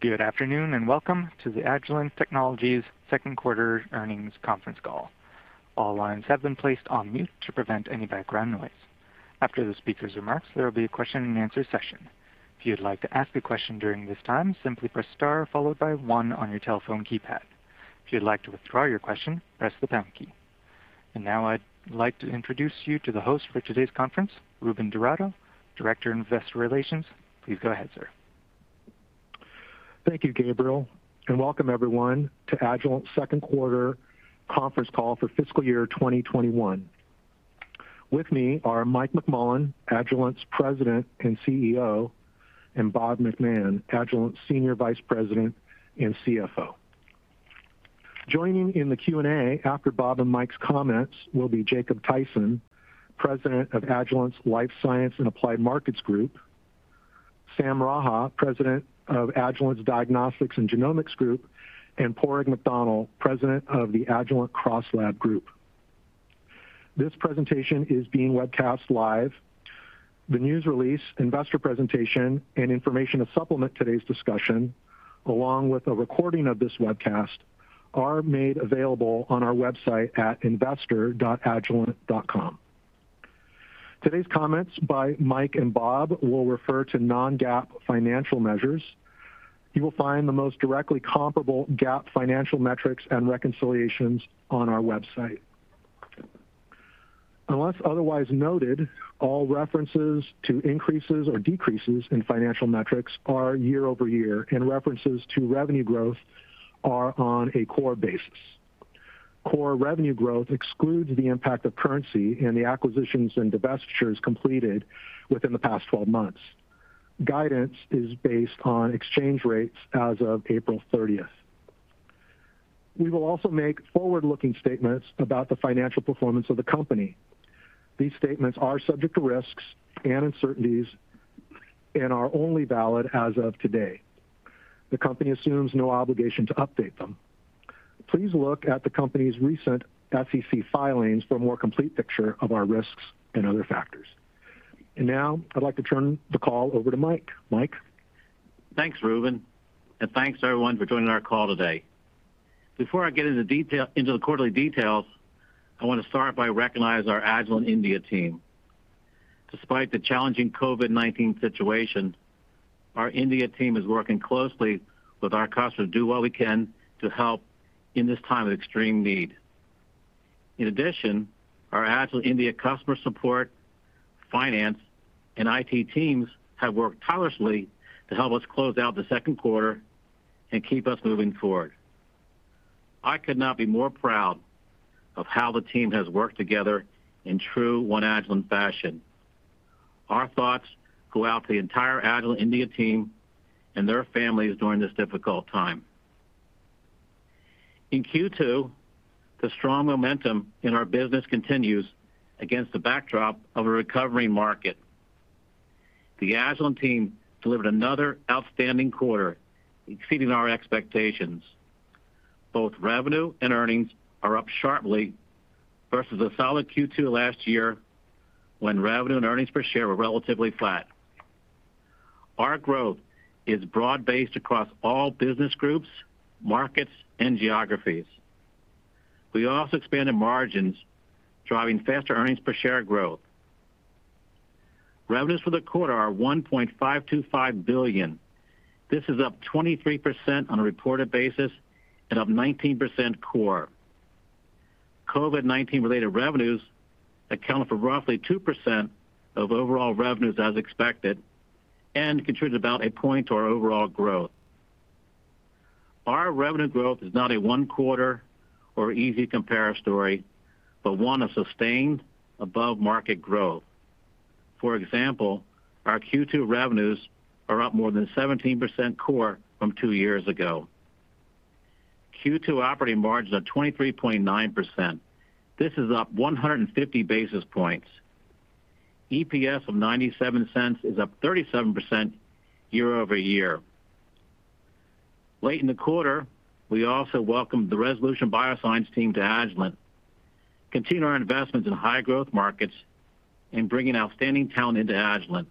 Good afternoon, welcome to the Agilent Technologies second quarter earnings conference call. All lines have been placed on mute to prevent any background noise. After the speaker's remarks, there will be a question and answer session. If you'd like to ask a question during this time, simply press star followed by one on your telephone keypad. If you'd like to withdraw your question, press the pound key. Now I'd like to introduce you to the host for today's conference, Ruben DiRado, Director, Investor Relations. Please go ahead, sir. Thank you, Gabriel, and welcome everyone to Agilent second quarter conference call for fiscal year 2021. With me are Mike McMullen, Agilent's President and CEO, and Bob McMahon, Agilent Senior Vice President and CFO. Joining in the Q&A after Bob and Mike's comments will be Jacob Thaysen, President of Agilent's Life Sciences and Applied Markets Group, Sam Raha, President of Agilent's Diagnostics and Genomics Group, and Padraig McDonnell, President of the Agilent CrossLab Group. This presentation is being webcast live. The news release, investor presentation, and information to supplement today's discussion, along with a recording of this webcast, are made available on our website at investor.agilent.com. Today's comments by Mike and Bob will refer to non-GAAP financial measures. You will find the most directly comparable GAAP financial metrics and reconciliations on our website. Unless otherwise noted, all references to increases or decreases in financial metrics are year-over-year, and references to revenue growth are on a core basis. Core revenue growth excludes the impact of currency and the acquisitions and divestitures completed within the past 12 months. Guidance is based on exchange rates as of April 30th. We will also make forward-looking statements about the financial performance of the company. These statements are subject to risks and uncertainties and are only valid as of today. The company assumes no obligation to update them. Please look at the company's recent SEC filings for a more complete picture of our risks and other factors. Now I'd like to turn the call over to Mike. Mike? Thanks, Ruben. Thanks everyone for joining our call today. Before I get into the quarterly details, I want to start by recognizing our Agilent India team. Despite the challenging COVID-19 situation, our India team is working closely with our customers to do what we can to help in this time of extreme need. In addition, our Agilent India customer support, finance, and IT teams have worked tirelessly to help us close out the second quarter and keep us moving forward. I could not be more proud of how the team has worked together in true One Agilent fashion. Our thoughts go out to the entire Agilent India team and their families during this difficult time. In Q2, the strong momentum in our business continues against the backdrop of a recovering market. The Agilent team delivered another outstanding quarter, exceeding our expectations. Both revenue and earnings are up sharply versus a solid Q2 last year, when revenue and earnings per share were relatively flat. Our growth is broad-based across all business groups, markets, and geographies. We also expanded margins, driving faster earnings per share growth. Revenues for the quarter are $1.525 billion. This is up 23% on a reported basis and up 19% core. COVID-19 related revenues account for roughly 2% of overall revenues as expected and contributed about a point to our overall growth. Our revenue growth is not a one quarter or easy compare story, but one of sustained above market growth. For example, our Q2 revenues are up more than 17% core from two years ago. Q2 operating margins are 23.9%. This is up 150 basis points. EPS of $0.97 is up 37% year-over-year. Late in the quarter, we also welcomed the Resolution Bioscience team to Agilent, continue our investments in high growth markets and bringing outstanding talent into Agilent.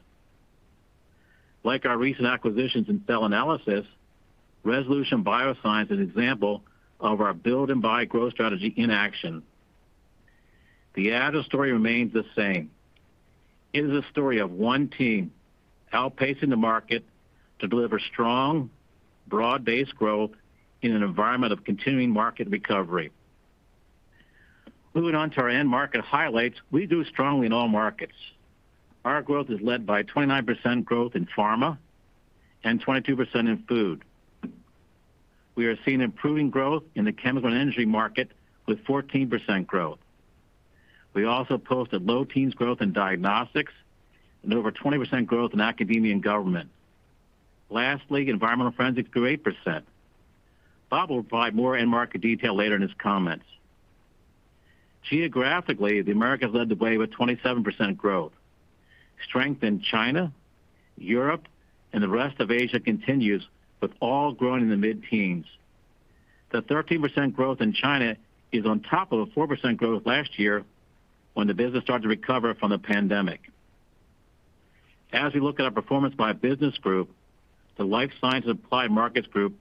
Like our recent acquisitions in cell analysis, Resolution Bioscience is an example of our build and buy growth strategy in action. The Agilent story remains the same. It is a story of one team outpacing the market to deliver strong, broad-based growth in an environment of continuing market recovery. Moving on to our end market highlights, we do strongly in all markets. Our growth is led by 29% growth in pharma and 22% in food. We are seeing improving growth in the Chemical and Energy market with 14% growth. We also posted low teens growth in diagnostics and over 20% growth in academia and government. Lastly, environmental forensics grew 8%. Bob will provide more end market detail later in his comments. Geographically, the Americas led the way with 27% growth. Strength in China, Europe, and the rest off Asia continues with all growing in the mid-teens. The 13% growth in China is on top of the 4% growth last year when the business started to recover from the pandemic. As we look at our performance by business group, the Life Sciences and Applied Markets Group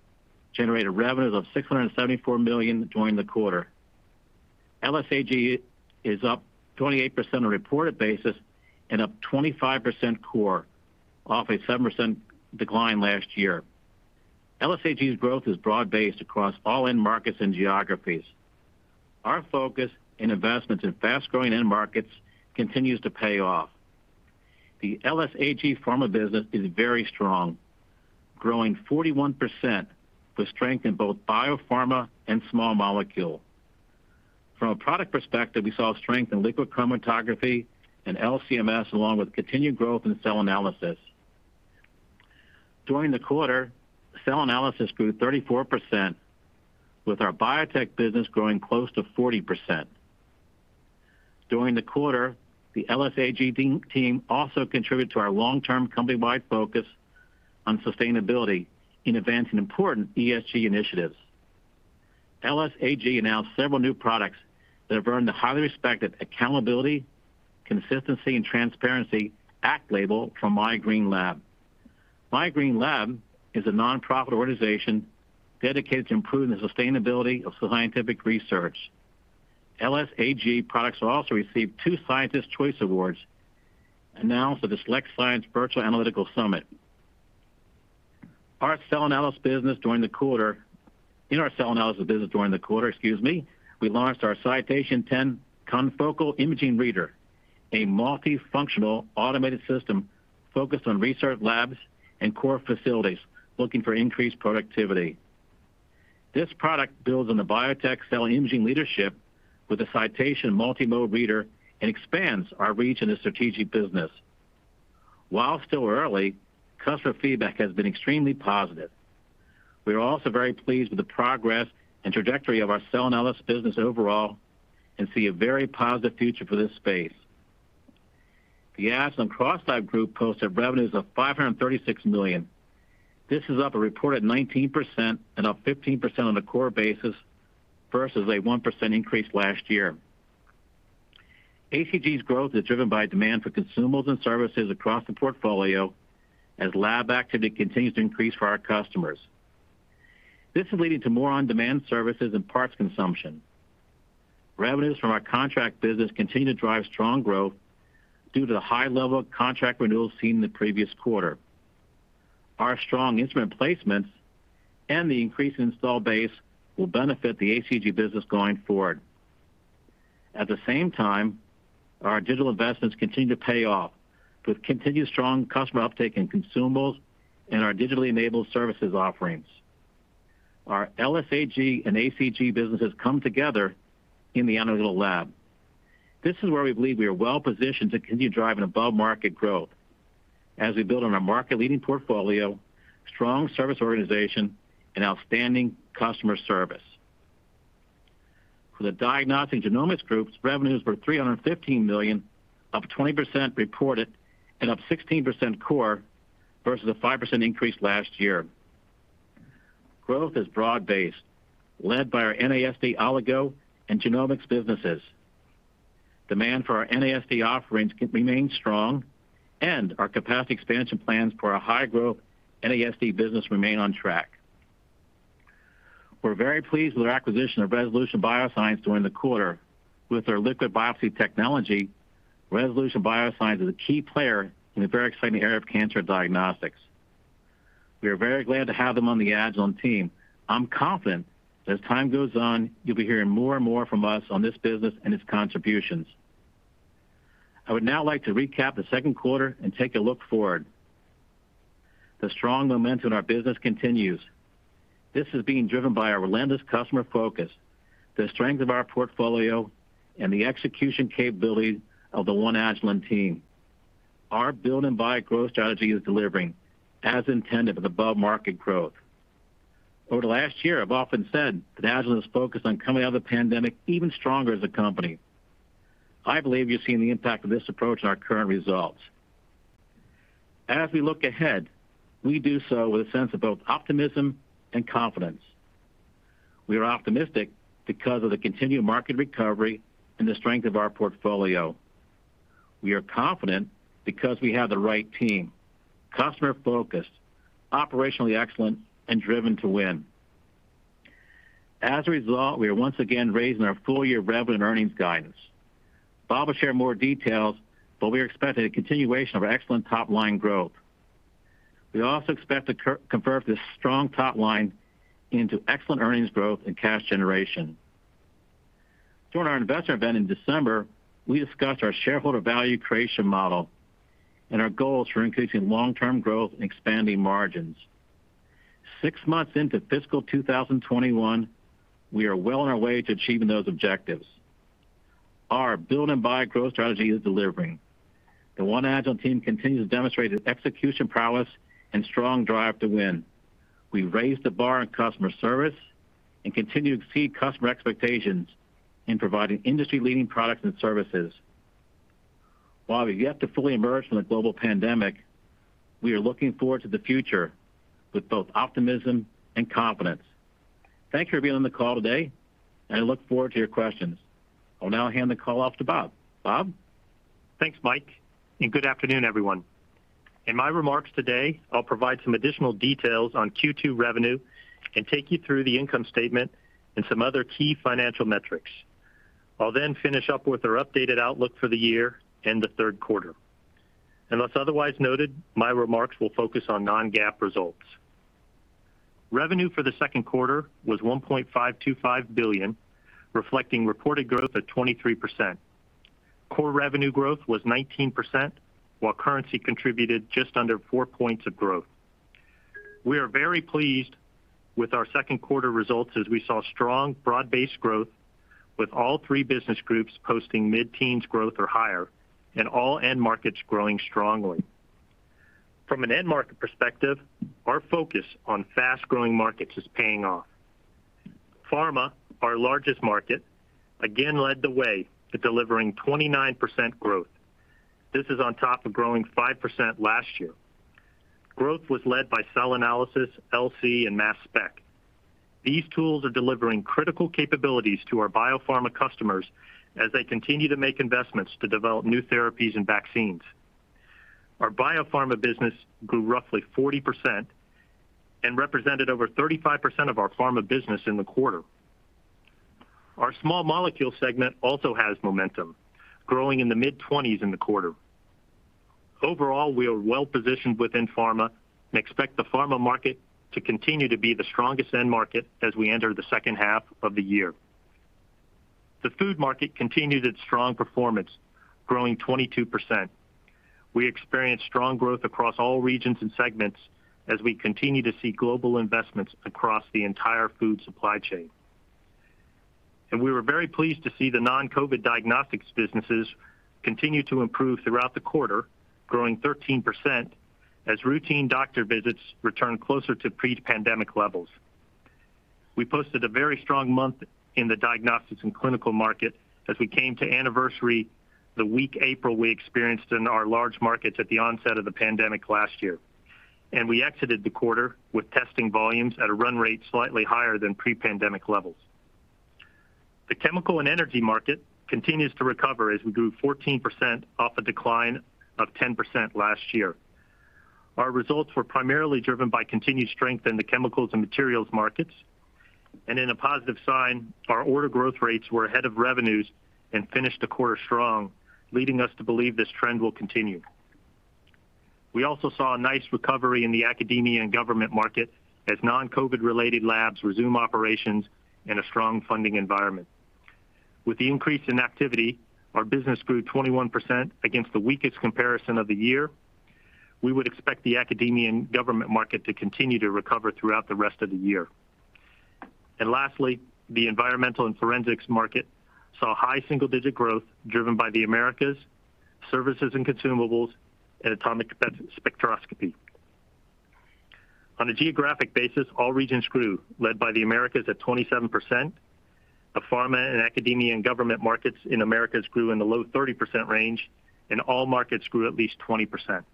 generated revenues of $674 million during the quarter. LSAG is up 28% on a reported basis and up 25% core off a 7% decline last year. LSAG's growth is broad-based across all end markets and geographies. Our focus in investments in fast-growing end markets continues to pay off. The LSAG pharma business is very strong, growing 41% with strength in both biopharma and small molecule. From a product perspective, we saw strength in liquid chromatography and LC-MS, along with continued growth in cell analysis. During the quarter, cell analysis grew 34%, with our BioTek business growing close to 40%. During the quarter, the LSAG team also contributed to our long-term company-wide focus on sustainability in advancing important ESG initiatives. LSAG announced several new products that have earned the highly respected Accountability, Consistency, and Transparency ACT label from My Green Lab. My Green Lab is a non-profit organization dedicated to improving the sustainability of scientific research. LSAG products also received two Scientists' Choice Awards announced at the SelectScience Virtual Analytical Summit. In our cell analysis business during the quarter, we launched our Cytation C10 Confocal Imaging Reader, a multi-functional automated system focused on research labs and core facilities looking for increased productivity. This product builds on the BioTek cell imaging leadership with the Cytation multimode reader and expands our reach in the strategic business. While still early, customer feedback has been extremely positive. We are also very pleased with the progress and trajectory of our cell analysis business overall and see a very positive future for this space. The Agilent CrossLab Group posted revenues of $536 million. This is up a reported 19% and up 15% on a core basis versus a 1% increase last year. ACG's growth is driven by demand for consumables and services across the portfolio as lab activity continues to increase for our customers. This is leading to more on-demand services and parts consumption. Revenues from our contract business continue to drive strong growth due to the high level of contract renewals seen in the previous quarter. Our strong instrument placements and the increased install base will benefit the ACG business going forward. At the same time, our digital investments continue to pay off with continued strong customer uptake in consumables and our digitally enabled services offerings. Our LSAG and ACG businesses come together in the analytical lab. This is where we believe we are well-positioned to continue driving above-market growth as we build on our market-leading portfolio, strong service organization, and outstanding customer service. For the Diagnostics and Genomics Group, revenues were $315 million, up 20% reported and up 16% core versus a 5% increase last year. Growth is broad-based, led by our NASD oligo and genomics businesses. Demand for our NASD offerings remains strong, and our capacity expansion plans for our high-growth NASD business remain on track. We're very pleased with the acquisition of Resolution Bioscience during the quarter. With their liquid biopsy technology, Resolution Bioscience is a key player in the very exciting area of cancer diagnostics. We are very glad to have them on the Agilent team. I'm confident that as time goes on, you'll be hearing more and more from us on this business and its contributions. I would now like to recap the second quarter and take a look forward. The strong momentum in our business continues. This is being driven by our relentless customer focus, the strength of our portfolio, and the execution capabilities of the One Agilent team. Our build and buy growth strategy is delivering as intended with above-market growth. Over the last year, I've often said that Agilent's focused on coming out of the pandemic even stronger as a company. I believe you're seeing the impact of this approach in our current results. As we look ahead, we do so with a sense of both optimism and confidence. We are optimistic because of the continued market recovery and the strength of our portfolio. We are confident because we have the right team, customer-focused, operationally excellent, and driven to win. As a result, we are once again raising our full-year revenue and earnings guidance. Bob will share more details, but we are expecting a continuation of our excellent top-line growth. We also expect to convert this strong top-line into excellent earnings growth and cash generation. During our investor event in December, we discussed our shareholder value creation model and our goals for increasing long-term growth and expanding margins. Six months into fiscal 2021, we are well on our way to achieving those objectives. Our build and buy growth strategy is delivering. The One Agilent team continues to demonstrate its execution prowess and strong drive to win. We've raised the bar on customer service and continue to exceed customer expectations in providing industry-leading products and services. While we have yet to fully emerge from the global pandemic, we are looking forward to the future with both optimism and confidence. Thank you for being on the call today, and I look forward to your questions. I'll now hand the call off to Bob. Bob? Thanks, Mike. Good afternoon, everyone. In my remarks today, I'll provide some additional details on Q2 revenue and take you through the income statement and some other key financial metrics. I'll finish up with our updated outlook for the year and the third quarter. Unless otherwise noted, my remarks will focus on non-GAAP results. Revenue for the second quarter was $1.525 billion, reflecting reported growth of 23%. Core revenue growth was 19%, while currency contributed just under 4 points of growth. We are very pleased with our second quarter results as we saw strong broad-based growth with all three business groups posting mid-teens growth or higher and all end markets growing strongly. From an end market perspective, our focus on fast-growing markets is paying off. Pharma, our largest market, again led the way to delivering 29% growth. This is on top of growing 5% last year. Growth was led by cell analysis, LC, and Mass Spec. These tools are delivering critical capabilities to our biopharma customers as they continue to make investments to develop new therapies and vaccines. Our biopharma business grew roughly 40% and represented over 35% of our pharma business in the quarter. Our small molecule segment also has momentum, growing in the mid-20s in the quarter. Overall, we are well-positioned within pharma and expect the pharma market to continue to be the strongest end market as we enter the second half of the year. The food market continued its strong performance, growing 22%. We experienced strong growth across all regions and segments as we continue to see global investments across the entire food supply chain. We were very pleased to see the non-COVID diagnostics businesses continue to improve throughout the quarter, growing 13% as routine doctor visits return closer to pre-pandemic levels. We posted a very strong month in the diagnostics and clinical market as we came to anniversary the weak April we experienced in our large markets at the onset of the pandemic last year, and we exited the quarter with testing volumes at a run rate slightly higher than pre-pandemic levels. The chemical and energy market continues to recover as we grew 14% off a decline of 10% last year. Our results were primarily driven by continued strength in the chemicals and materials markets. In a positive sign, our order growth rates were ahead of revenues and finished the quarter strong, leading us to believe this trend will continue. We also saw a nice recovery in the academia and government market as non-COVID related labs resume operations in a strong funding environment. With the increase in activity, our business grew 21% against the weakest comparison of the year. We would expect the academia and government market to continue to recover throughout the rest of the year. Lastly, the environmental and forensics market saw high single-digit growth driven by the Americas, services and consumables, and atomic spectroscopy. On a geographic basis, all regions grew, led by the Americas at 27%. The pharma and academia and government markets in Americas grew in the low 30% range, and all markets grew at least 20%.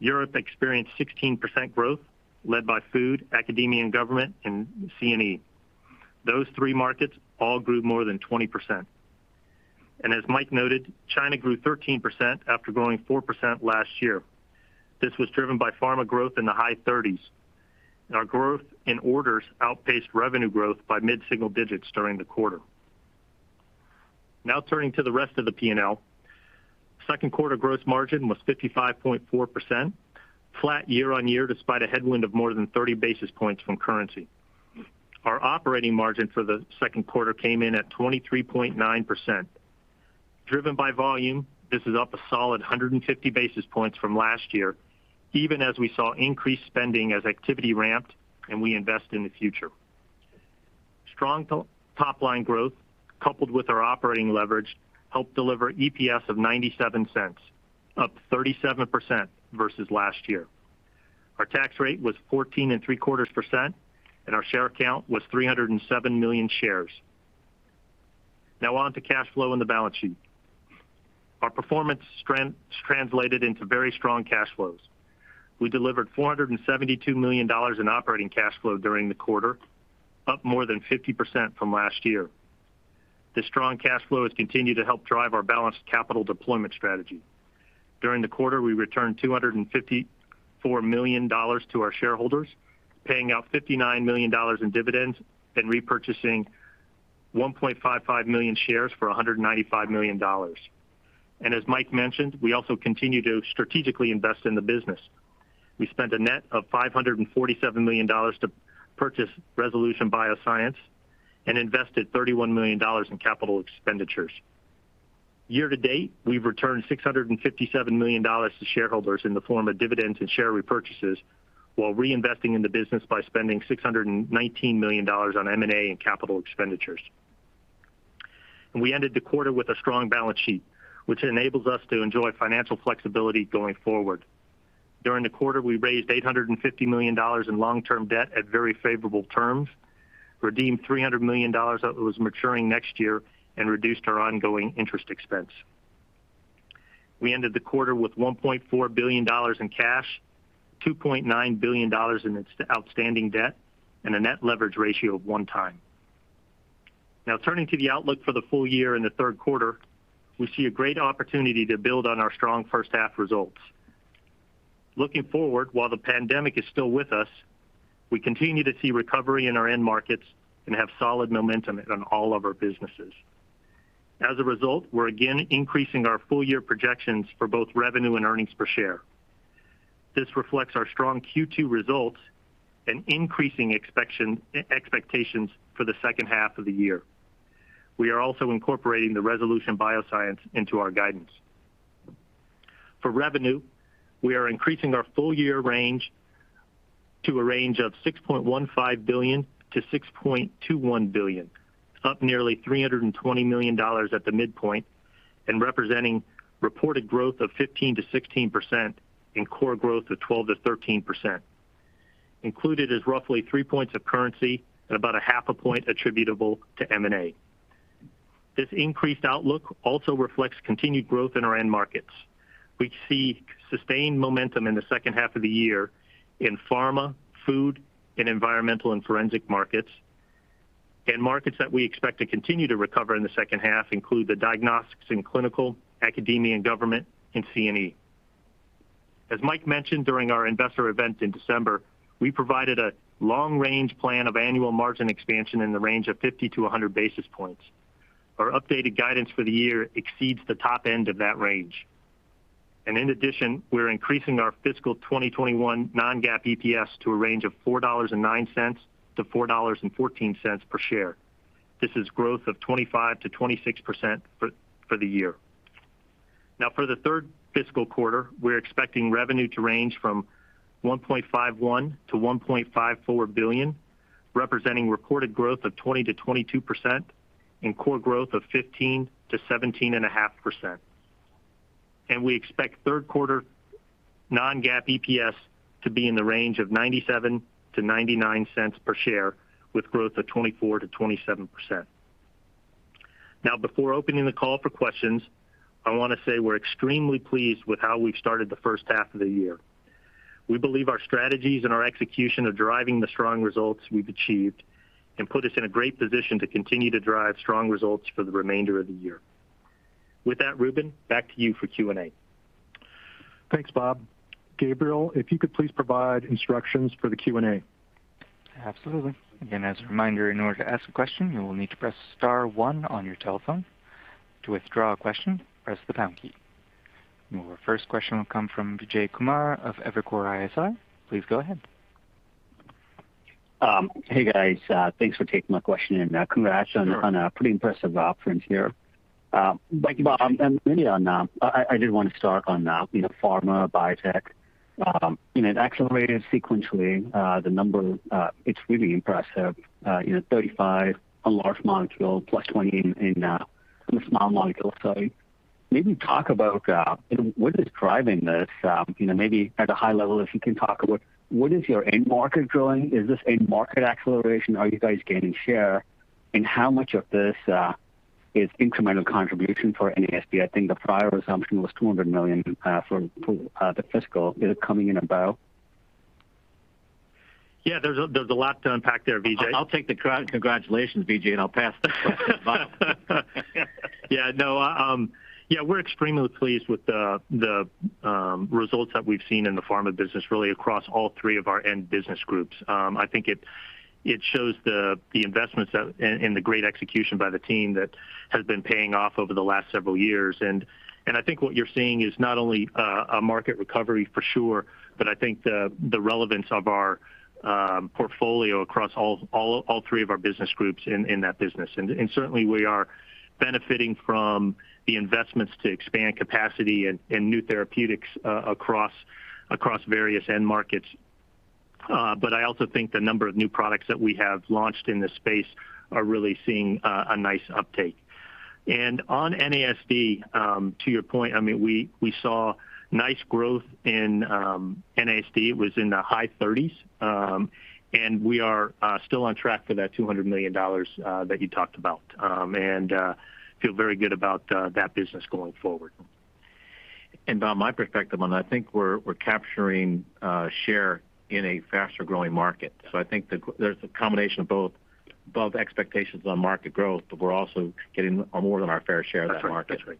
Europe experienced 16% growth led by food, academia and government, and C&E. Those three markets all grew more than 20%. As Mike noted, China grew 13% after growing 4% last year. This was driven by pharma growth in the high 30s. Growth in orders outpaced revenue growth by mid-single digits during the quarter. Turning to the rest of the P&L. Second quarter gross margin was 55.4%, flat year-on-year despite a headwind of more than 30 basis points from currency. Our operating margin for the second quarter came in at 23.9%. Driven by volume, this is up a solid 150 basis points from last year, even as we saw increased spending as activity ramped and we invest in the future. Strong top-line growth, coupled with our operating leverage, helped deliver EPS of $0.97, up 37% versus last year. Our tax rate was 14.75%, and our share count was 307 million shares. Now on to cash flow and the balance sheet. Our performance translated into very strong cash flows. We delivered $472 million in operating cash flow during the quarter, up more than 50% from last year. The strong cash flows continue to help drive our balanced capital deployment strategy. During the quarter, we returned $254 million to our shareholders, paying out $59 million in dividends and repurchasing 1.55 million shares for $195 million. As Mike mentioned, we also continue to strategically invest in the business. We spent a net of $547 million to purchase Resolution Bioscience and invested $31 million in capital expenditures. Year-to-date, we've returned $657 million to shareholders in the form of dividends and share repurchases while reinvesting in the business by spending $619 million on M&A and capital expenditures. We ended the quarter with a strong balance sheet, which enables us to enjoy financial flexibility going forward. During the quarter, we raised $850 million in long-term debt at very favorable terms, redeemed $300 million that was maturing next year, and reduced our ongoing interest expense. We ended the quarter with $1.4 billion in cash, $2.9 billion in outstanding debt, and a net leverage ratio of one time. Now turning to the outlook for the full year and the third quarter, we see a great opportunity to build on our strong first half results. Looking forward, while the pandemic is still with us, we continue to see recovery in our end markets and have solid momentum on all of our businesses. As a result, we're again increasing our full year projections for both revenue and earnings per share. This reflects our strong Q2 results and increasing expectations for the second half of the year. We are also incorporating the Resolution Bioscience into our guidance. For revenue, we are increasing our full year range to a range of $6.15 billion-$6.21 billion, up nearly $320 million at the midpoint and representing reported growth of 15%-16% and core growth of 12%-13%. Included is roughly 3 points of currency and about a half a point attributable to M&A. This increased outlook also reflects continued growth in our end markets. We see sustained momentum in the second half of the year in pharma, food, and environmental and forensic markets. Markets that we expect to continue to recover in the second half include the Diagnostics in clinical, academia and government, and C&E. As Mike mentioned during our investor event in December, we provided a long-range plan of annual margin expansion in the range of 50-100 basis points. Our updated guidance for the year exceeds the top end of that range. In addition, we're increasing our fiscal 2021 non-GAAP EPS to a range of $4.09-$4.14 per share. This is growth of 25%-26% for the year. For the third fiscal quarter, we're expecting revenue to range from $1.51 billion-$1.54 billion, representing reported growth of 20%-22% and core growth of 15%-17.5%. We expect third quarter non-GAAP EPS to be in the range of $0.97-$0.99 per share, with growth of 24%-27%. Before opening the call for questions, I want to say we're extremely pleased with how we've started the first half of the year. We believe our strategies and our execution are driving the strong results we've achieved and put us in a great position to continue to drive strong results for the remainder of the year. With that, Ruben, back to you for Q&A. Thanks, Bob. Gabriel, if you could please provide instructions for the Q&A. Absolutely. Again, as a reminder, in order to ask a question, you will need to press star one on your telephone. To withdraw a question, press the pound key. Our first question will come from Vijay Kumar of Evercore ISI. Please go ahead. Hey, guys. Thanks for taking my question. Congrats on a pretty impressive offering here. Thank you, Bob. I did want to start on pharma, BioTek. It accelerated sequentially. It's really impressive. 35 on large molecule, +20 in the small molecule. Maybe talk about what is driving this, maybe at a high level, if you can talk about what is your end market growing? Is this end market acceleration? Are you guys gaining share? How much of this is incremental contribution for NASD? I think the prior assumption was $200 million for the fiscal. Is it coming in about? Yeah, there's a lot to unpack there, Vijay. I'll take the congratulations, Vijay, and I'll pass this on to Bob. Yeah, we're extremely pleased with the results that we've seen in the pharma business, really across all three of our end business groups. I think it shows the investments and the great execution by the team that has been paying off over the last several years. I think what you're seeing is not only a market recovery for sure, but I think the relevance of our portfolio across all three of our business groups in that business. Certainly we are benefiting from the investments to expand capacity and new therapeutics across various end markets. I also think the number of new products that we have launched in this space are really seeing a nice uptake. On NASD, to your point, we saw nice growth in NASD. It was in the high 30s. We are still on track for that $200 million that you talked about, and feel very good about that business going forward. Bob, my perspective on that, I think we're capturing share in a faster-growing market. I think there's a combination of both expectations on market growth, but we're also getting more than our fair share of that market. That's right.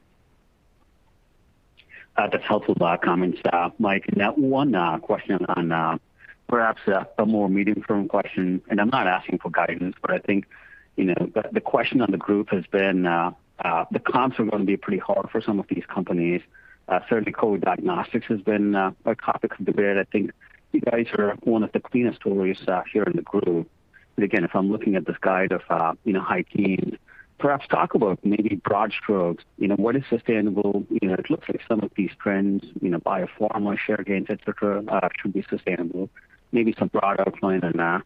That's helpful comments, Mike. One question on perhaps a more medium-term question. I'm not asking for guidance. I think the question on the group has been the comps are going to be pretty hard for some of these companies. Certainly, COVID-19 diagnostics has been a topic of debate. I think you guys are one of the cleanest stories here in the group. Again, if I'm looking at this guide of high teens, perhaps talk about maybe broad strokes, what is sustainable? It looks like some of these trends, biopharma share gains, et cetera, should be sustainable. Maybe some broader point on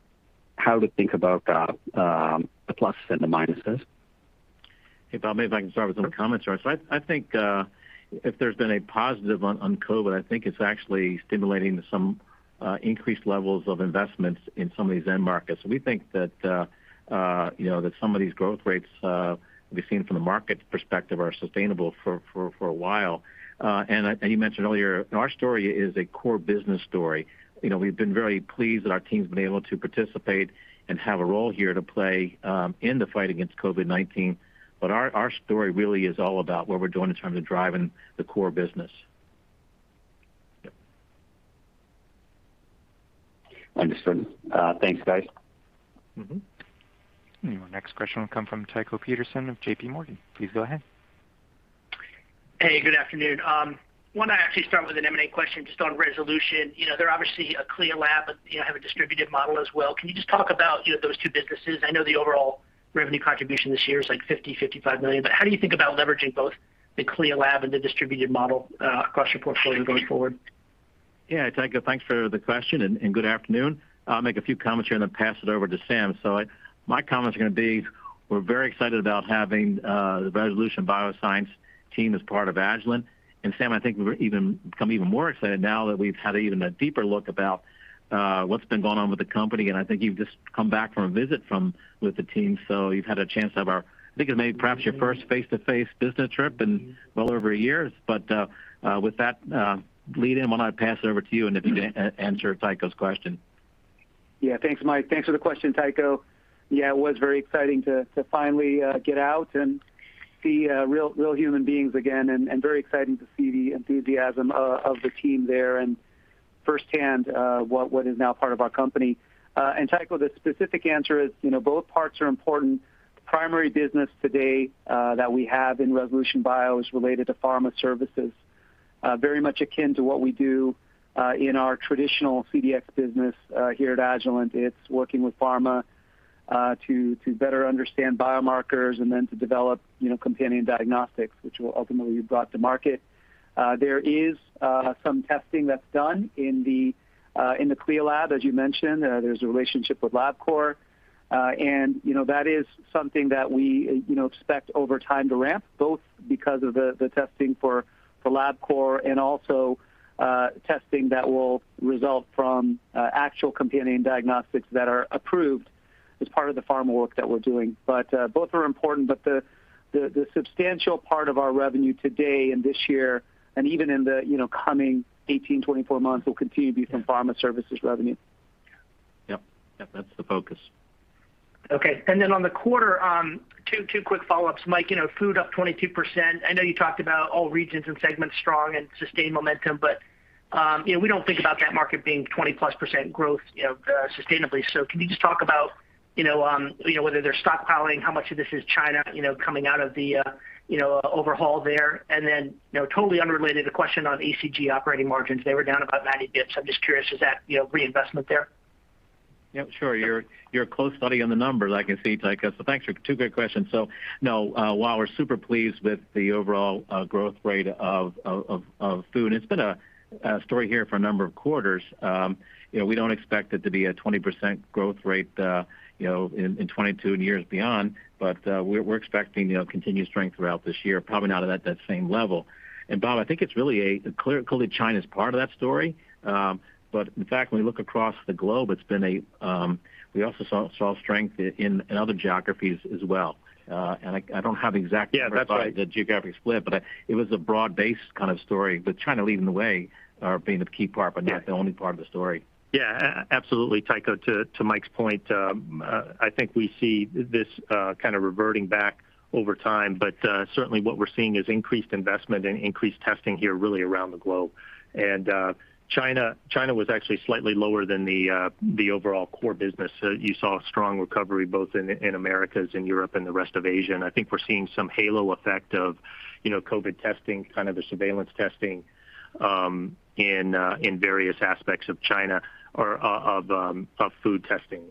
how to think about the pluses and the minuses. If I may, I can start with some comments here. I think if there's been a positive on COVID-19, I think it's actually stimulating some increased levels of investments in some of these end markets. We think that some of these growth rates we've seen from a market perspective are sustainable for a while. You mentioned earlier, our story is a core business story. We've been very pleased that our team's been able to participate and have a role here to play in the fight against COVID-19. Our story really is all about what we're doing in terms of driving the core business. Understood. Thanks, guys. Your next question will come from Tycho Peterson of JPMorgan. Please go ahead. Hey, good afternoon. I want to actually start with an M&A question. Just on Resolution. They're obviously a CLIA lab, but they have a distributed model as well. Can you just talk about those two businesses? I know the overall revenue contribution this year is like $50 million-$55 million, but how do you think about leveraging both the CLIA lab and the distributed model across your portfolio going forward? Yeah. Tycho, thanks for the question. Good afternoon. I'll make a few comments here then pass it over to Sam. My comment's going to be, we're very excited about having the Resolution Bioscience team as part of Agilent. Sam, I think we've become even more excited now that we've had even a deeper look about what's been going on with the company. I think you've just come back from a visit with the team, so you've had a chance to have I think it may perhaps your first face-to-face business trip in well over a year. With that lead in, why don't I pass it over to you and if you can answer Tycho's question. Thanks, Mike. Thanks for the question, Tycho. It was very exciting to finally get out and see real human beings again, and very exciting to see the enthusiasm of the team there and firsthand what is now part of our company. Tycho, the specific answer is, both parts are important. The primary business today that we have in Resolution Bioscience is related to pharma services. Very much akin to what we do in our traditional CDX business here at Agilent. It's working with pharma to better understand biomarkers and then to develop companion diagnostics, which we'll ultimately brought to market. There is some testing that's done in the CLIA lab, as you mentioned. There's a relationship with LabCorp. That is something that we expect over time to ramp, both because of the testing for LabCorp and also testing that will result from actual companion diagnostics that are approved as part of the pharma work that we're doing. Both are important, but the substantial part of our revenue today and this year and even in the coming 18-24 months will continue to be from pharma services revenue. Yep. That's the focus. Okay. On the quarter, two quick follow-ups. Mike, food up 22%. I know you talked about all regions and segments strong and sustained momentum, we don't think about that market being 20%+ growth sustainably. Can you just talk about whether they're stockpiling, how much of this is China coming out of the overhaul there? Totally unrelated, the question on ACG operating margins. They were down about 90 basis points. I'm just curious, is that reinvestment there? Yep, sure. You're close study on the numbers, I can see, Tycho. Thanks for two good questions. While we're super pleased with the overall growth rate of food, and it's been a story here for a number of quarters, we don't expect it to be a 20% growth rate in 2022 and years beyond. We're expecting continued strength throughout this year, probably not at that same level. Bob, I think it's really clearly China's part of that story. In fact, when we look across the globe, we also saw strength in other geographies as well. Yeah, that's all right. The geographic split, but it was a broad-based kind of story with China leading the way, being a key part, but not the only part of the story. Yeah, absolutely. Tycho, to Mike's point, I think we see this kind of reverting back over time. Certainly, what we're seeing is increased investment and increased testing here really around the globe. China was actually slightly lower than the overall core business. You saw strong recovery both in Americas and Europe and the rest of Asia. I think we're seeing some halo effect of COVID testing, kind of the surveillance testing, in various aspects of China of food testing.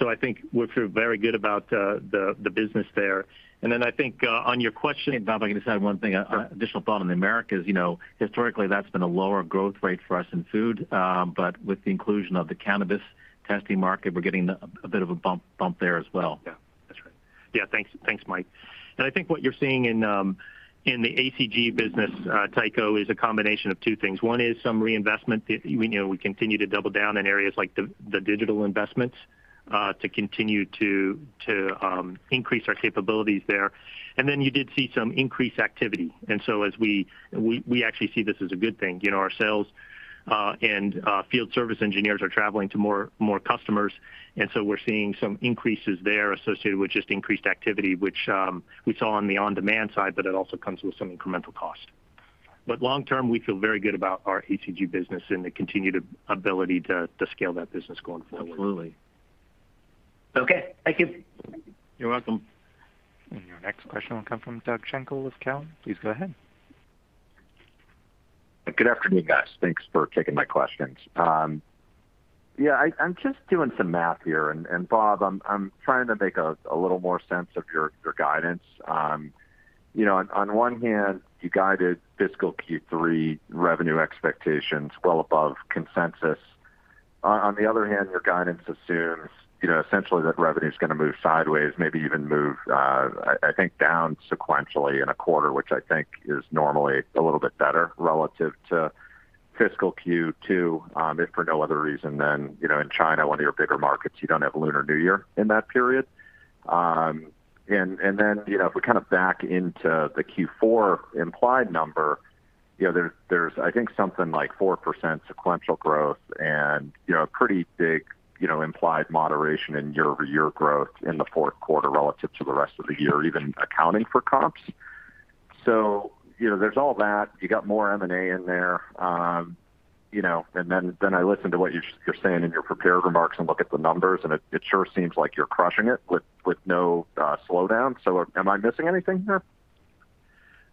I think we feel very good about the business there. I think on your question, Bob, I can just add one thing. Additional follow-on in Americas, historically, that's been a lower growth rate for us in food. With the inclusion of the cannabis testing market, we're getting a bit of a bump there as well. Yeah. That's right. Yeah. Thanks, Mike. I think what you're seeing in the ACG business, Tycho, is a combination of two things. One is some reinvestment. We continue to double down in areas like the digital investments to continue to increase our capabilities there. You did see some increased activity. We actually see this as a good thing. Our sales and field service engineers are traveling to more customers, and so we're seeing some increases there associated with just increased activity, which we saw on the on-demand side, but it also comes with some incremental cost. Long-term, we feel very good about our ACG business and the continued ability to scale that business going forward. Absolutely. Okay. Thank you. You're welcome. Your next question will come from Doug Schenkel with Cowen. Please go ahead. Good afternoon, guys. Thanks for taking my questions. Yeah, I'm just doing some math here. Bob, I'm trying to make a little more sense of your guidance. On one hand, you guided fiscal Q3 revenue expectations well above consensus. On the other hand, your guidance assumes essentially that revenue's going to move sideways, maybe even move, I think, down sequentially in a quarter, which I think is normally a little bit better relative to fiscal Q2, if for no other reason than, in China, one of your bigger markets, you don't have Lunar New Year in that period. If we back into the Q4 implied number, there's I think something like 4% sequential growth and a pretty big implied moderation in year-over-year growth in the fourth quarter relative to the rest of the year, even accounting for comps. There's all that. You got more M&A in there. I listen to what you're saying in your prepared remarks and look at the numbers, and it sure seems like you're crushing it with no slowdown. Am I missing anything here?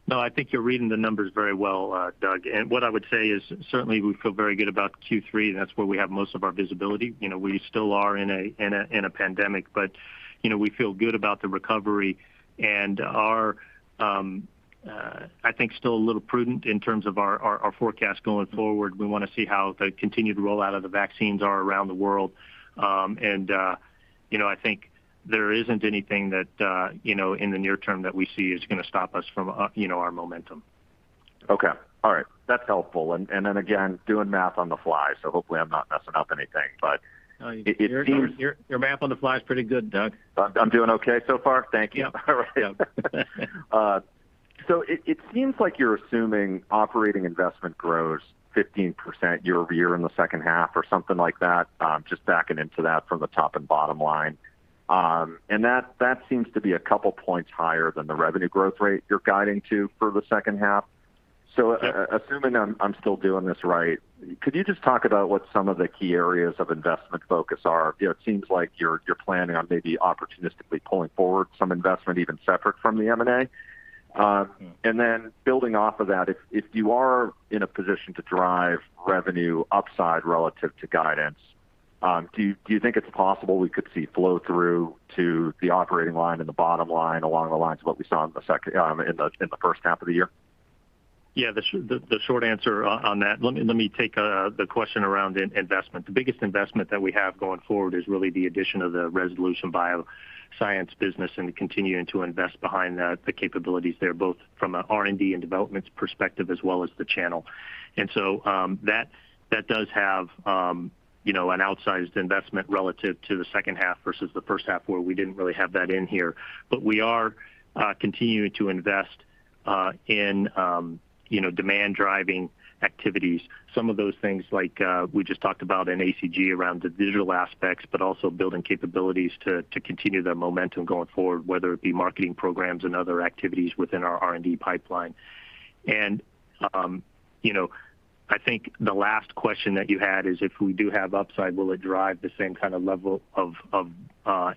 No, I think you're reading the numbers very well, Doug. What I would say is certainly we feel very good about Q3, and that's where we have most of our visibility. We still are in a pandemic, but we feel good about the recovery and are, I think, still a little prudent in terms of our forecast going forward. We want to see how the continued rollout of the vaccines are around the world. I think there isn't anything that in the near term that we see is going to stop us from our momentum. Okay. All right. That's helpful. Again, doing math on the fly, so hopefully I'm not messing up anything. No, your math on the fly is pretty good, Doug. I'm doing okay so far? Thank you. It seems like you're assuming operating investment grows 15% year-over-year in the second half or something like that, just backing into that from the top and bottom line. That seems to be a couple points higher than the revenue growth rate you're guiding to for the second half. Assuming I'm still doing this right, could you just talk about what some of the key areas of investment focus are? It seems like you're planning on maybe opportunistically pulling forward some investment even separate from the M&A. Building off of that, if you are in a position to drive revenue upside relative to guidance, do you think it's possible we could see flow-through to the operating line and the bottom line along the lines of what we saw in the first half of the year? Yeah. The short answer on that. Let me take the question around investment. The biggest investment that we have going forward is really the addition of the Resolution Bioscience business and continuing to invest behind the capabilities there, both from an R&D and development perspective as well as the channel. That does have an outsized investment relative to the second half versus the first half where we didn't really have that in here. We are continuing to invest in demand-driving activities. Some of those things like we just talked about in ACG around the digital aspects, but also building capabilities to continue the momentum going forward, whether it be marketing programs and other activities within our R&D pipeline. I think the last question that you had is if we do have upside, will it drive the same kind of level of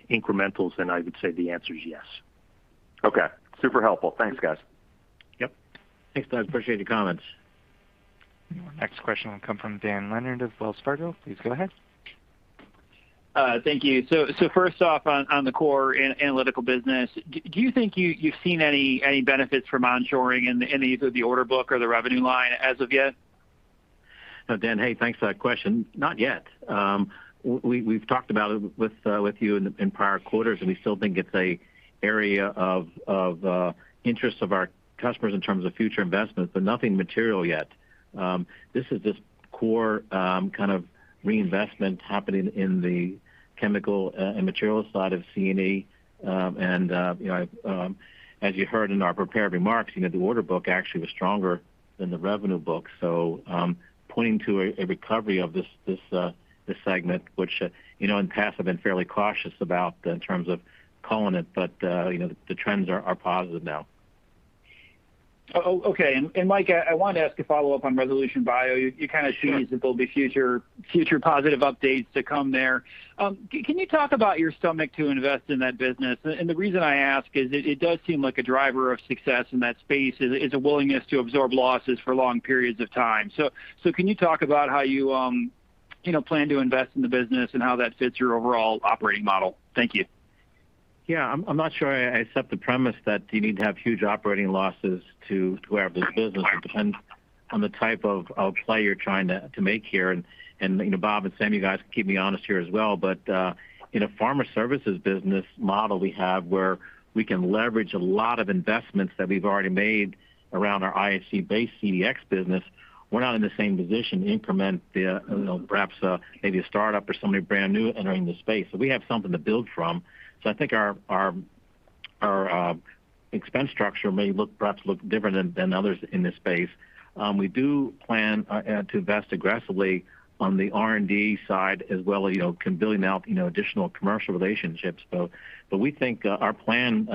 incrementals? I would say the answer is yes. Okay. Super helpful. Thanks, guys. Yep. Thanks, Doug. Appreciate your comments. Next question will come from Dan Leonard of Wells Fargo. Please go ahead. Thank you. First off, on the core analytical business, do you think you've seen any benefits from onshoring in either the order book or the revenue line as of yet? Dan, hey. Thanks for that question. Not yet. We've talked about it with you in prior quarters, and we still think it's an area of interest of our customers in terms of future investments, but nothing material yet. This is just core kind of reinvestment happening in the chemical and materials side of C&E. As you heard in our prepared remarks, the order book actually was stronger than the revenue book. Pointing to a recovery of this segment, which in the past I've been fairly cautious about in terms of calling it, but the trends are positive now. Okay. Mike, I wanted to ask a follow-up on Resolution Bioscience. You kind of teased some of the future positive updates to come there. Can you talk about your stomach to invest in that business? The reason I ask is it does seem like a driver of success in that space is a willingness to absorb losses for long periods of time. Can you talk about how you plan to invest in the business and how that fits your overall operating model? Thank you. Yeah. I'm not sure I accept the premise that you need to have huge operating losses to have this business. It depends on the type of player you're trying to make here. I think Bob and Sam, guys, keep me honest here as well, in a pharma services business model we have where we can leverage a lot of investments that we've already made around our IHC-based CDX business, we're not in the same position to increment perhaps a startup or somebody brand new entering the space. We have something to build from. I think our expense structure may perhaps look different than others in the space. We do plan to invest aggressively on the R&D side as well, building out additional commercial relationships. We think our plan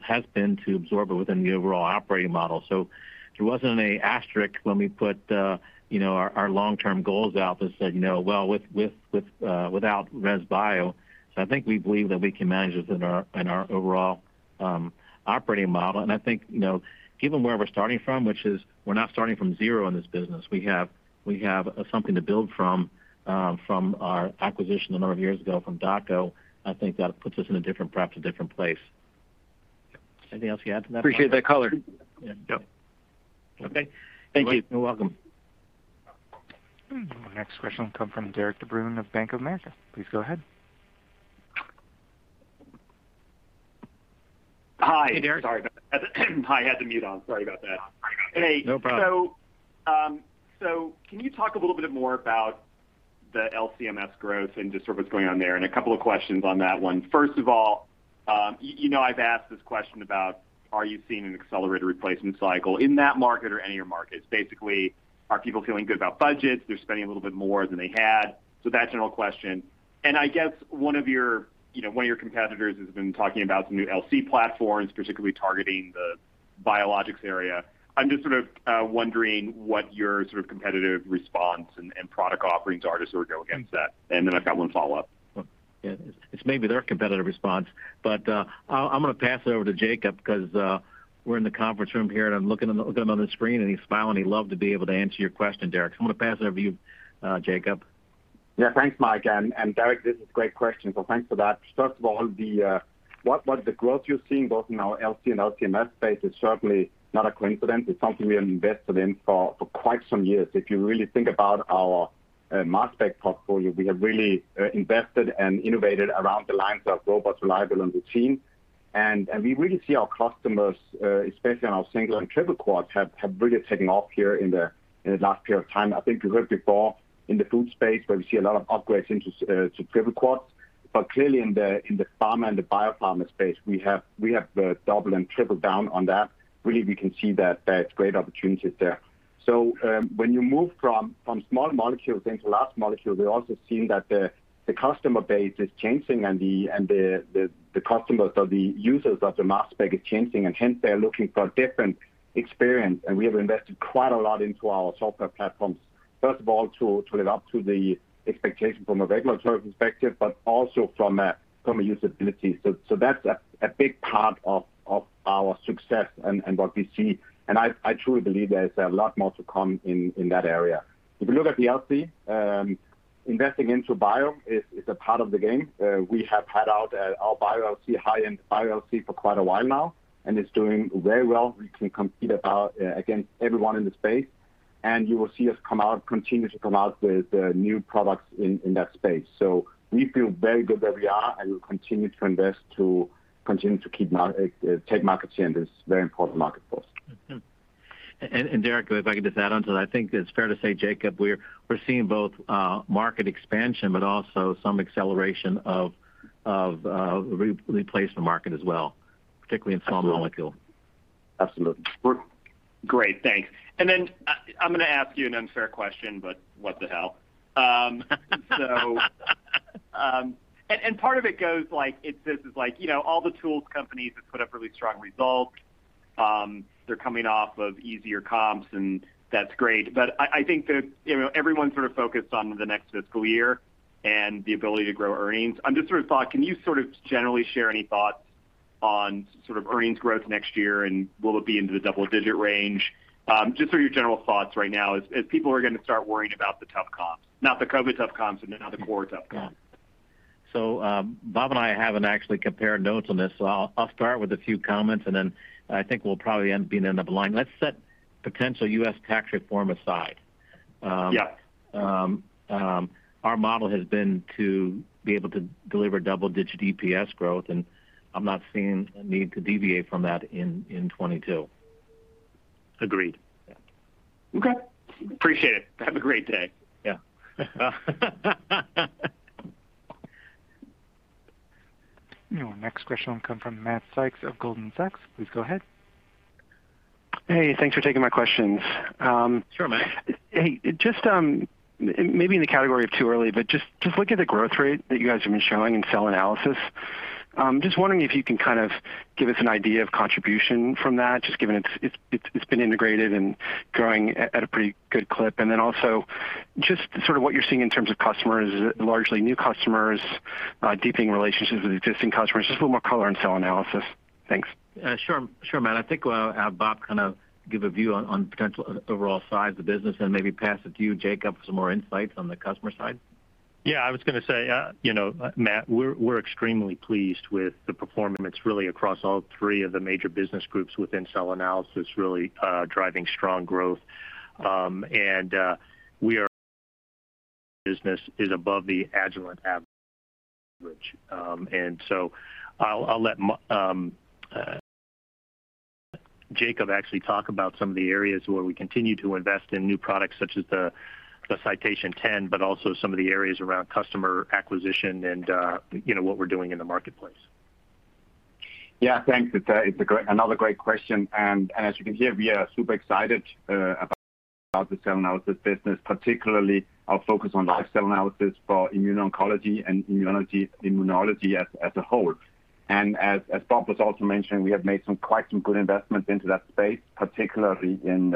has been to absorb it within the overall operating model. There wasn't any asterisk when we put our long-term goals out that said, "No, well, without Res Bio." I think we believe that we can manage this in our overall operating model. I think given where we're starting from, which is we're not starting from zero in this business. We have something to build from our acquisition a number of years ago from Dako. I think that puts us in perhaps a different place. Anything else you add to that? Appreciate that color. Yeah. Okay. Thank you. You're welcome. Our next question will come from Derik de Bruin of Bank of America. Please go ahead. Hi. Hi Derik. Sorry about that. I had the mute on. Sorry about that. No problem. Can you talk a little bit more about the LC-MS growth and just what's going on there? A couple of questions on that one. First of all, I've asked this question about are you seeing an accelerated replacement cycle in that market or any of your markets? Basically, are people feeling good about budgets? They're spending a little bit more than they had? That general question. I guess one of your competitors has been talking about some new LC platforms, particularly targeting the biologics area. I'm just sort of wondering what your sort of competitive response and product offerings are to sort of go against that. Then I've got one follow-up. Yeah. It's maybe their competitive response. I'm going to pass that over to Jacob because we're in the conference room here and I'm looking at him on the screen and he's smiling. He'd love to be able to answer your question, Derik. I'm going to pass it over to you, Jacob. Thanks, Mike, and Derik, this is a great question, thanks for that. First of all, the growth you're seeing both in our LC and LC-MS space is certainly not a coincidence. It's something we have invested in for quite some years. If you really think about our mass spec portfolio, we have really invested and innovated around the likes of robust reliable and routine. We really see our customers, especially on our single and triple quads, have really taken off here in the last period of time. I think you heard before in the food space where we see a lot of upgrades into triple quads. Clearly in the pharma and the biopharma space, we have to double and triple down on that. Really, we can see that there are great opportunities there. When you move from small molecules into large molecules, we also see that the customer base is changing and the customers or the users of the mass spec are changing, and hence they're looking for a different experience. We have invested quite a lot into our software platforms. First of all, to live up to the expectation from a regulatory perspective, but also from a usability. That's a big part of our success and what we see. I truly believe there's a lot more to come in that area. If you look at the LC, investing into bio is a part of the game. We have had our bio LC, high-end bio LC for quite a while now, and it's doing very well. We can compete against everyone in the space. You will see us continue to come out with new products in that space. We feel very good where we are, and we'll continue to invest to keep taking market share in this very important market for us. Derik, if I can just add on to that, I think it's fair to say, Jacob, we're seeing both market expansion, but also some acceleration of replacement market as well, particularly in small molecules. Absolutely. Great. Thanks. Then I'm going to ask you an unfair question, but what the hell? All the tools companies have put up really strong results. They're coming off of easier comps, and that's great. I think that everyone's sort of focused on the next fiscal year and the ability to grow earnings. Can you sort of generally share any thoughts on sort of earnings growth next year, and will it be into the double-digit range? Just for your general thoughts right now, as people are going to start worrying about the tough comps, not the COVID tough comps, but now the core tough comps. Bob and I haven't actually compared notes on this, so I'll start with a few comments, and then I think we'll probably end up being in alignment. Let's set potential U.S. tax reform aside. Yeah. Our model has been to be able to deliver double-digit EPS growth, and I'm not seeing a need to deviate from that in 2022. Agreed. Yeah. Okay. Appreciate it. Have a great day. Yeah. Our next question will come from Matt Sykes of Goldman Sachs. Please go ahead. Hey, thanks for taking my questions. Sure, Matt. Hey, maybe in the category too early. Just looking at the growth rate that you guys have been showing in cell analysis, I'm just wondering if you can kind of give us an idea of contribution from that, just given it's been integrated and growing at a pretty good clip. Also just sort of what you're seeing in terms of customers, largely new customers, deepening relationships with existing customers. Just a little more color on cell analysis. Thanks. Sure, Matt. I think we'll have Bob kind of give a view on potential overall size of the business and maybe pass it to you, Jacob, for some more insights on the customer side. Yeah, I was going to say, Matt, we're extremely pleased with the performance really across all three of the major business groups within cell analysis, really driving strong growth. Our business is above the Agilent average. I'll let Jacob actually talk about some of the areas where we continue to invest in new products such as the Cytation C10, but also some of the areas around customer acquisition and what we're doing in the marketplace. Yeah, thanks. It's another great question. As you can hear, we are super excited about the cell analysis business, particularly our focus on live cell analysis for immuno-oncology and immunology as a whole. As Bob has also mentioned, we have made some quite good investments into that space, particularly in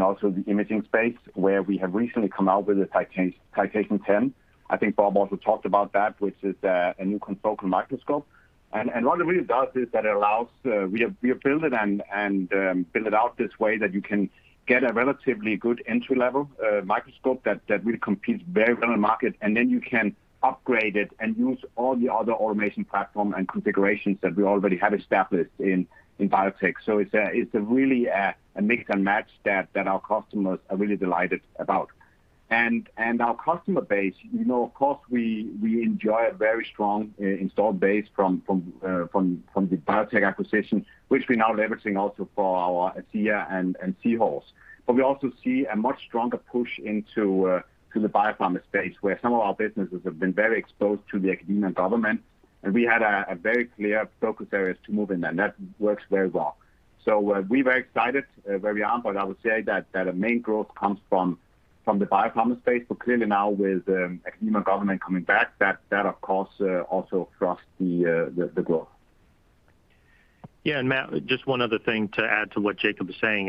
also the imaging space where we have recently come out with the Cytation C10. I think Bob also talked about that, which is a new confocal microscope. All it really does is that we have built it and built it out this way that you can get a relatively good entry-level microscope that really competes very well in the market, and then you can upgrade it and use all the other automation platform and configurations that we already have established in BioTek. It's a really a mix and match there that our customers are really delighted about. Our customer base, of course, we enjoy a very strong installed base from the BioTek acquisition, which we now are leveraging also for our xCELLigence and Seahorse. We also see a much stronger push into the biopharma space, where some of our businesses have been very exposed to the academia and government, and we had a very clear focus areas to move in there. That works very well. We're very excited where we are, but I would say that our main growth comes from the biopharma space. Clearly now with academia government coming back, that of course also drives the growth. Yeah, Matt, just one other thing to add to what Jacob is saying.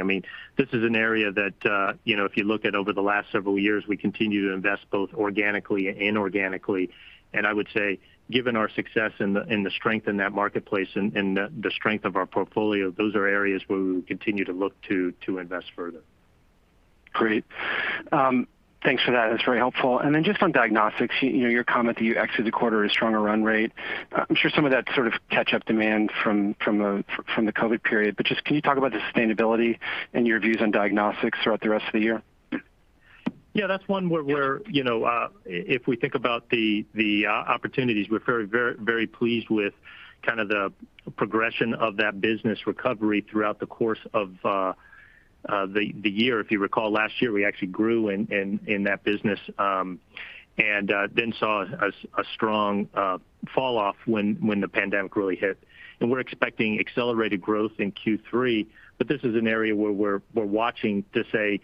This is an area that, if you look at over the last several years, we continue to invest both organically and inorganically. I would say, given our success and the strength in that marketplace and the strength of our portfolio, those are areas where we will continue to look to invest further. Great. Thanks for that. That's very helpful. Just on diagnostics, your comment that you exited the quarter a stronger run rate. I'm sure some of that sort of catch-up demand from the COVID-19 period, but just can you talk about the sustainability and your views on diagnostics throughout the rest of the year? Yeah, that's one where if we think about the opportunities, we're very pleased with kind of the progression of that business recovery throughout the course of the year. If you recall, last year, we actually grew in that business, and then saw a strong fall off when the pandemic really hit. We're expecting accelerated growth in Q3, but this is an area where we're watching to say,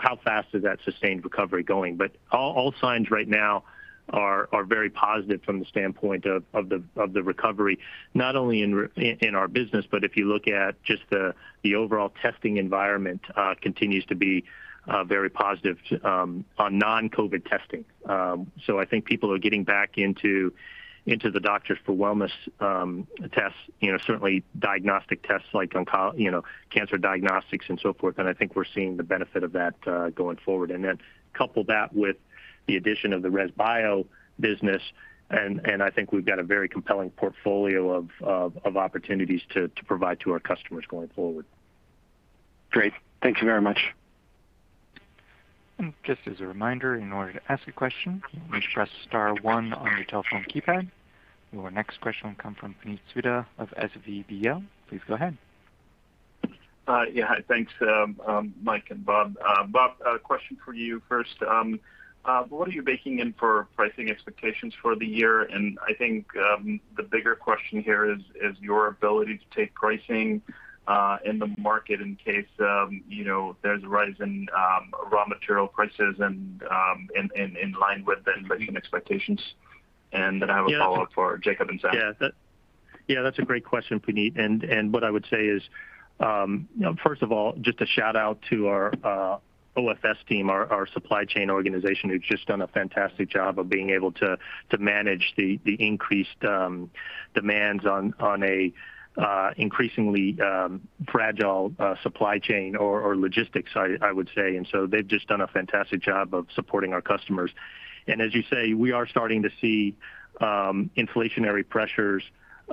"How fast is that sustained recovery going?" All signs right now are very positive from the standpoint of the recovery, not only in our business, but if you look at just the overall testing environment continues to be very positive on non-COVID testing. I think people are getting back into the doctors for wellness tests, certainly diagnostic tests like cancer diagnostics and so forth. I think we're seeing the benefit of that going forward. Couple that with the addition of the ResBio business, and I think we've got a very compelling portfolio of opportunities to provide to our customers going forward. Great. Thank you very much. Just as a reminder, in order to ask a question, please press star one on your telephone keypad. Your next question will come from Puneet Souda of SVB Leerink. Please go ahead. Yeah. Hi. Thanks, Mike and Bob. Bob, a question for you first. What are you baking in for pricing expectations for the year? I think the bigger question here is your ability to take pricing in the market in case there's a rise in raw material prices and in line with the pricing expectations. Then I have a follow-up for Jacob and Sam. Yeah, that's a great question, Puneet. What I would say is first of all, just a shout-out to our OFS team, our supply chain organization, who've just done a fantastic job of being able to manage the increased demands on a increasingly fragile supply chain or logistics, I would say. They've just done a fantastic job of supporting our customers. As you say, we are starting to see inflationary pressures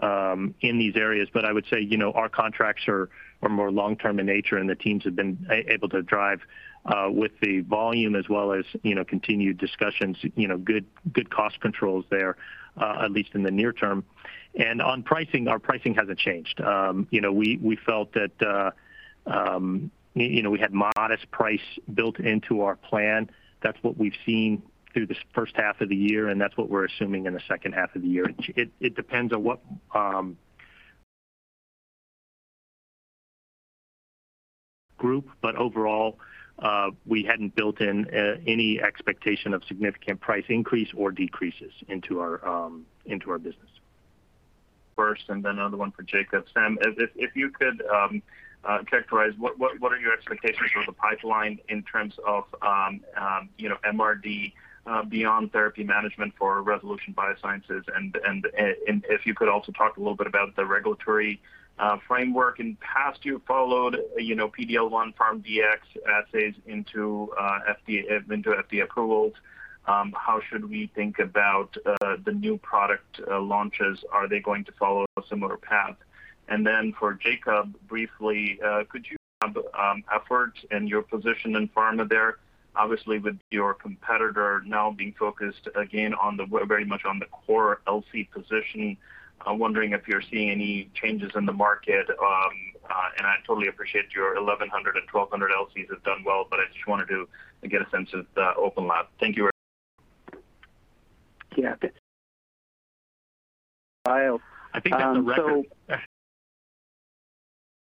in these areas. I would say, our contracts are more long-term in nature, and the teams have been able to drive with the volume as well as continued discussions, good cost controls there, at least in the near term. On pricing, our pricing hasn't changed. We felt that we had modest price built into our plan. That's what we've seen through this first half of the year, and that's what we're assuming in the second half of the year. It depends on what group, but overall, we hadn't built in any expectation of significant price increase or decreases into our business. First, another one for Jacob. Sam, if you could characterize what are your expectations for the pipeline in terms of MRD beyond therapy management for Resolution Bioscience? If you could also talk a little bit about the regulatory framework. In past, you followed PD-L1 pharmDx assays into FDA approvals. How should we think about the new product launches? Are they going to follow a similar path? For Jacob, briefly, [inaudible] and your position in pharma there. Obviously, with your competitor now being focused again very much on the core LC position. I'm wondering if you're seeing any changes in the market. I totally appreciate your 1100 and 1200 LCs have done well, but I just wanted to get a sense of the OpenLab. Thank you very. Yeah. I think that's a record.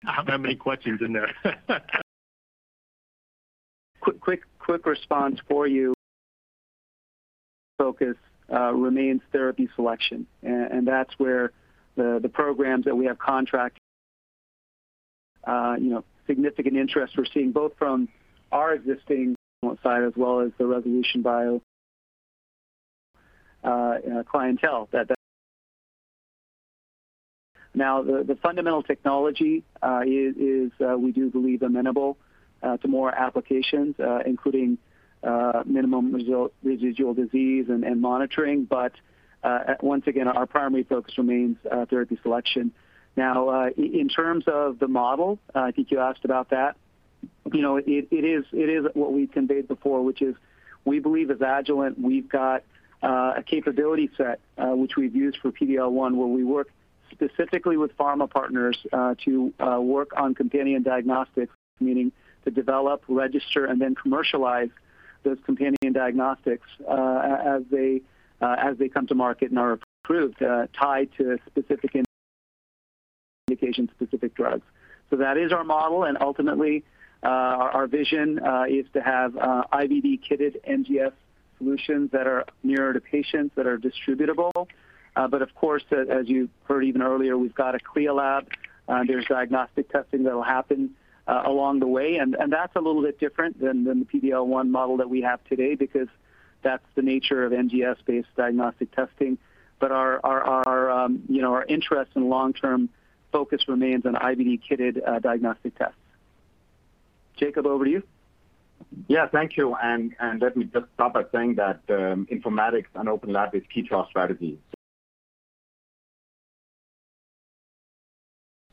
How many questions in there? Quick response for you. Focus remains therapy selection. That's where the programs that we have significant interest we're seeing both from our existing side as well as the Resolution Bio clientele. The fundamental technology is we do believe amenable to more applications, including. Minimal residual disease and monitoring. Once again, our primary focus remains therapy selection. Now, in terms of the model, I think you asked about that. It is what we've conveyed before, which is we believe at Agilent we've got a capability set which we've used for PD-L1, where we work specifically with pharma partners to work on companion diagnostics, meaning to develop, register, and then commercialize those companion diagnostics as they come to market and are approved, tied to specific indication-specific drugs. That is our model, and ultimately our vision is to have IVD kitted NGS solutions that are nearer to patients, that are distributable. Of course, as you've heard even earlier, we've got a CLIA lab. There's diagnostic testing that'll happen along the way, and that's a little bit different than the PD-L1 model that we have today because that's the nature of NGS-based diagnostic testing. Our interest and long-term focus remains on IVD kitted diagnostic tests. Jacob, over to you. Yeah, thank you. Let me just start by saying that informatics and OpenLab is key to our strategy.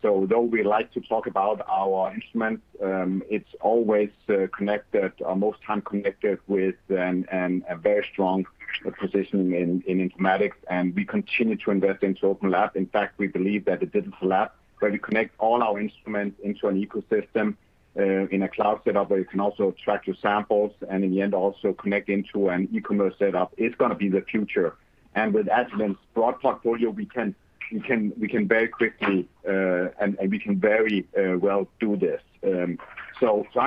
Though we like to talk about our instruments, it's always connected, or most time connected, with a very strong positioning in informatics, and we continue to invest in OpenLab. In fact, we believe that a digital lab where you connect all our instruments into an ecosystem in a cloud setup where you can also track your samples and in the end also connect into an e-commerce setup is going to be the future. With Agilent's broad portfolio, we can very quickly and we can very well do this. I'm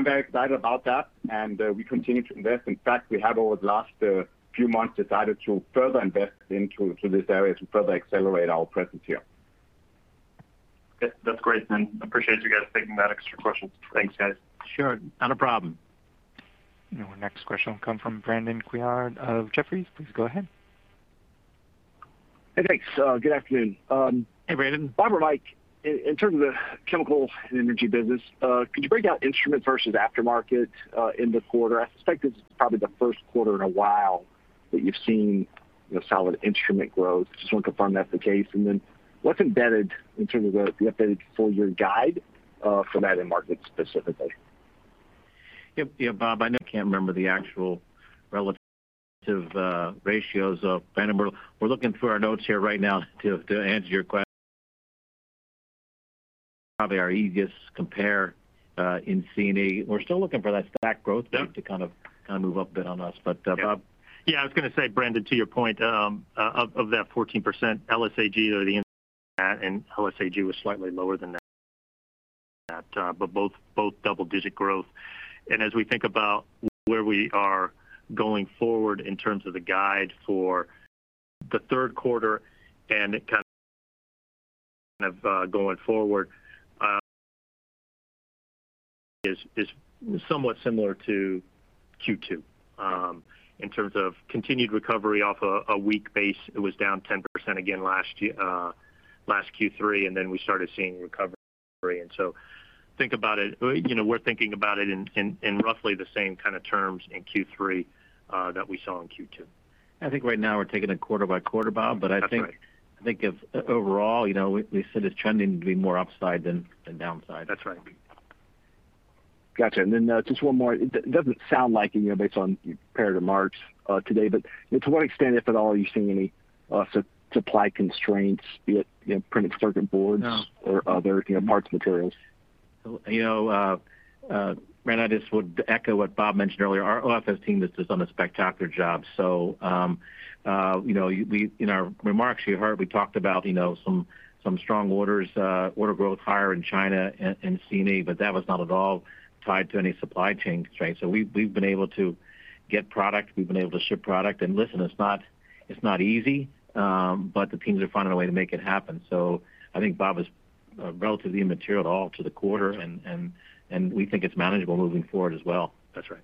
very excited about that, and we continue to invest. In fact, we have over the last few months decided to further invest into this area to further accelerate our presence here. That's great. I appreciate you guys taking my extra questions. Thanks, guys. Sure. Not a problem. Next question will come from Brandon Couillard of Jefferies. Please go ahead. Hey, thanks. Good afternoon. Hey, Brandon. Bob or Mike, in terms of the Chemicals and Energy business, could you break out instrument versus aftermarket in the quarter? I suspect this is probably the first quarter in a while that you've seen solid instrument growth. Just want to confirm if that's the case. Then what's embedded in terms of the embedded full-year guide for that end market specifically? Yeah, Bob, I know I can't remember the actual relative ratios. We're looking through our notes here right now to answer your question. Probably our easiest compare in C&E. We're still looking for that stack growth rate to kind of move up a bit on us. Bob? Yeah, I was going to say, Brandon, to your point, of that 14%, LSAG are the instruments we had. LSAG was slightly lower than that. Both double-digit growth. As we think about where we are going forward in terms of the guide for the third quarter and kind of going forward, is somewhat similar to Q2 in terms of continued recovery off a weak base. It was down 10% again last Q3. We started seeing recovery in Q3. We're thinking about it in roughly the same kind of terms in Q3 that we saw in Q2. I think right now we're taking it quarter by quarter, Bob. That's right. I think overall, we see the trending to be more upside than downside. That's right. Got you. Then just one more. It doesn't sound like it based on your compared to March today, but to what extent, if at all, are you seeing any supply constraints be it printed circuit boards. No. Other parts materials? Brandon, I just would echo what Bob mentioned earlier. Our ops team has just done a spectacular job. In our remarks, you heard we talked about some strong orders, order growth higher in China and C&E, but that was not at all tied to any supply chain constraints. We've been able to get product, we've been able to ship product, and listen, it's not easy, but the teams are finding a way to make it happen. I think Bob is relatively immaterial to the quarter, and we think it's manageable moving forward as well. That's right.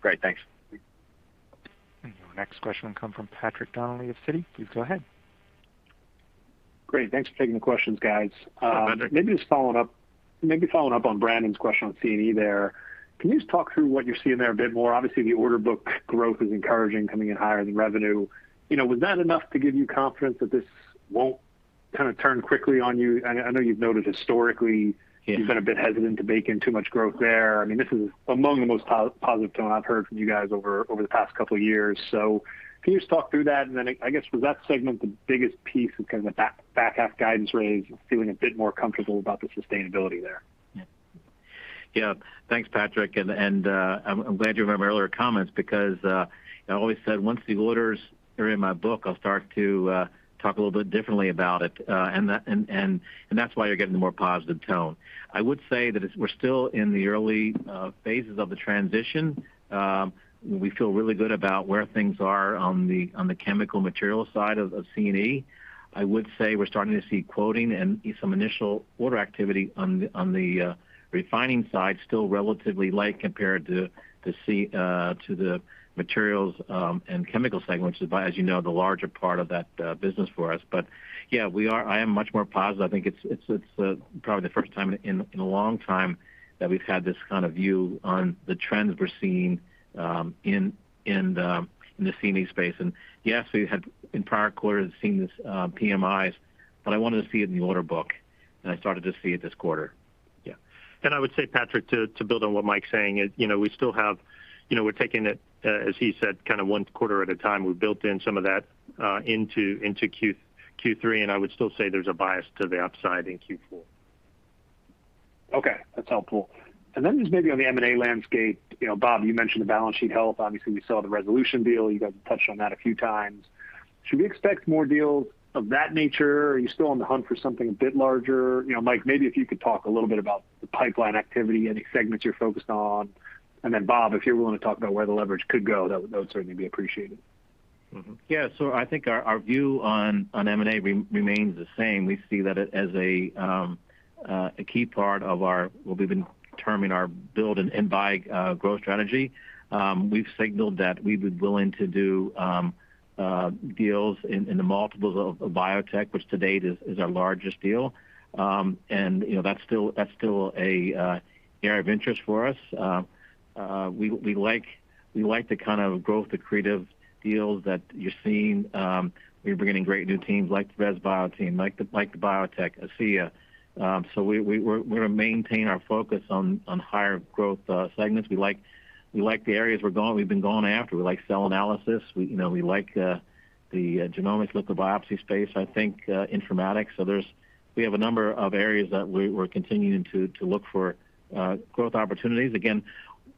Great. Thanks. Next question will come from Patrick Donnelly of Citi. Please go ahead. Great. Thanks for taking the questions, guys. Hi, Patrick. Maybe just following up on Brandon's question on C&E there. Can you just talk through what you're seeing there a bit more? Obviously, the order book growth is encouraging coming in higher than revenue. Was that enough to give you confidence that this won't kind of turn quickly on you? I know you've noted historically you've been a bit hesitant to bake in too much growth there. This is among the most positive tone I've heard from you guys over the past couple of years. Can you just talk through that, and then I guess was that segment the biggest piece of kind of the back half guidance raise, just feeling a bit more comfortable about the sustainability there? Yeah. Thanks, Patrick, and I'm glad you remember my earlier comments because I always said once the orders are in my book, I'll start to talk a little bit differently about it, and that's why you're getting a more positive tone. I would say that we're still in the early phases of the transition. We feel really good about where things are on the chemical materials side of C&E. I would say we're starting to see quoting and some initial order activity on the refining side, still relatively light compared to the materials and chemical segments, which is, as you know, the larger part of that business for us. Yeah, I am much more positive. I think it's probably the first time in a long time that we've had this kind of view on the trends we're seeing in the C&E space. Yes, we had entire quarters of seeing this PMIs, but I wanted to see it in the order book. I thought I just see it this quarter. Yeah. I would say, Patrick, to build on what Mike's saying is, we're taking it, as he said, one quarter at a time. We've built in some of that into Q3, and I would still say there's a bias to the upside in Q4. Okay. That's helpful. Then just maybe on the M&A landscape, Bob, you mentioned the balance sheet. Obviously, we saw the Resolution deal. You guys have touched on that a few times. Should we expect more deals of that nature? Are you still on the hunt for something a bit larger? Mike, maybe if you could talk a little bit about the pipeline activity, any segments you're focused on, and then Bob, if you're willing to talk about where the leverage could go, that would certainly be appreciated. Yeah. I think our view on M&A remains the same. We see that as a key part of our, what we've been terming our build and buy growth strategy. We've signaled that we'd be willing to do deals in the multiples of BioTek, which to date is our largest deal. That's still an area of interest for us. We like the kind of growth, accretive deals that you're seeing. We're bringing great new teams like the Res Bio team, like the BioTek, ACEA. We're maintaining our focus on higher growth segments. We like the areas we're going, we've been going after. We like cell analysis. We like the genomics, we like the biopsy space, I think informatics. We have a number of areas that we're continuing to look for growth opportunities.